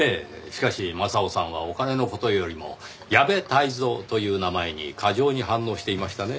しかし雅夫さんはお金の事よりも矢部泰造という名前に過剰に反応していましたね。